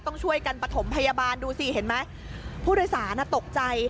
ต้องช่วยกันประถมพยาบาลดูสิเห็นไหมผู้โดยสารอ่ะตกใจ